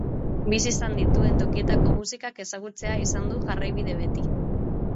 Bizi izan dituen tokietako musikak ezagutzea izan du jarraibide beti.